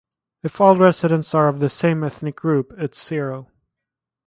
If all residents are of the same ethnic group it's zero.